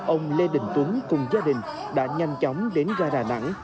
ông lê đình tuấn cùng gia đình đã nhanh chóng đến ra đà nẵng